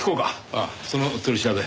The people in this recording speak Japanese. あっその取り調べ